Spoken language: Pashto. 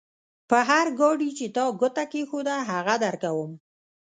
پر هر ګاډي چې تا ګوته کېښوده؛ هغه درکوم.